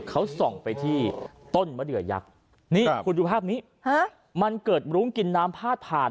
เขาส่องไปที่ต้นมะเดือยักษ์นี่คุณดูภาพนี้มันเกิดรุ้งกินน้ำพาดผ่าน